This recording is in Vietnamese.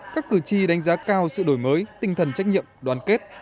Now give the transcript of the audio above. các cử tri đánh giá cao sự đổi mới tinh thần trách nhiệm đoàn kết